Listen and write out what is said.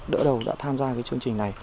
đỡ đầu đã tham gia cái chương trình này